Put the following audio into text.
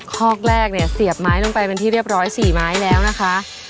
คอกแรกเนี่ยเสียบไม้ลงไปเป็นที่เรียบร้อย๔ไม้แล้วนะคะ